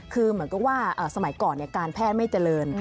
คือเหมือนกับว่าสมัยก่อนการแพทย์ไม่เจริญ